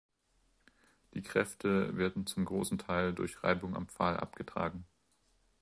Die Kräfte werden zum großen Teil durch Reibung am Pfahl abgetragen.